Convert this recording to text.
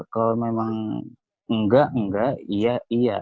kalau memang enggak enggak iya iya